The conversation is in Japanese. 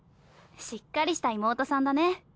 しっかりした妹さんだね。